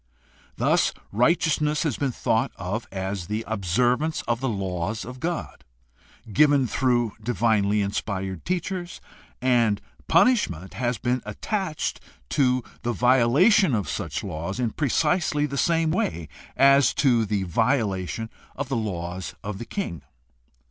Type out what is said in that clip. Thus righteousness has been thought of as the observance of the laws of the god, given through divinely inspired teachers, and punishment has been attached to the violation of such laws in precisely the same way as to the violation of laws of the king.